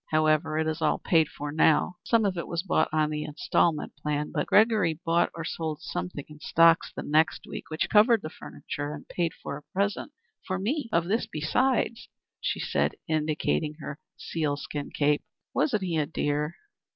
However, it is all paid for now. Some of it was bought on the instalment plan, but Gregory bought or sold something in stocks the next week which covered the furniture and paid for a present for me of this besides," she said, indicating her seal skin cape. "Wasn't he a dear?"